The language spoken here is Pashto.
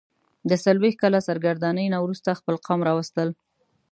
د څلوېښت کاله سرګرانۍ نه وروسته خپل قوم راوستل.